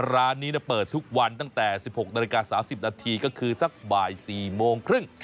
ร้านนี้เปิดทุกวันตั้งแต่๑๖นาฬิกา๓๐นาทีก็คือสักบ่าย๔โมงครึ่ง